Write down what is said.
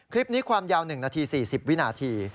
คลิปนี้ความยาว๑นาที๔๐วินาที